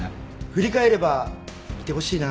振り返ればいてほしいな。